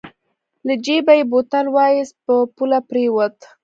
له جېبه يې بوتل واېست په پوله پرېوت.